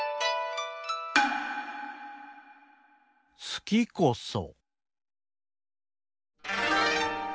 「好きこそ」。